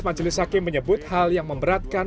majelis hakim menyebut hal yang memberatkan